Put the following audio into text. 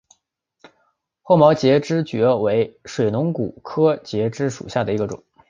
厚毛节肢蕨为水龙骨科节肢蕨属下的一个种。